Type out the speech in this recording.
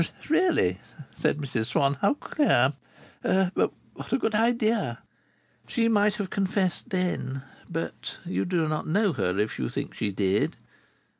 "Really!" said Mrs Swann. "How queer! But what a good idea!" She might have confessed then. But you do not know her if you think she did.